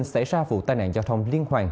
xảy ra vụ tai nạn giao thông liên hoàn